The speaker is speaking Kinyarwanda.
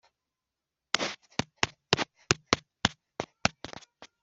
Yesu ntiyavuze ko itorero ryari kuzubakwa kuri Petero